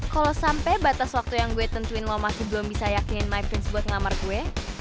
kalo sampe batas waktu yang gue tentuin lo masih belum bisa yakinin my prince buat ngamar gue